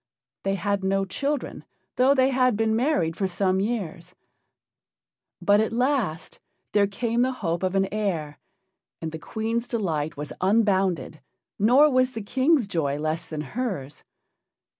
They had no children, though they had been married for some years; but at last there came the hope of an heir, and the Queen's delight was unbounded nor was the King's joy less than hers.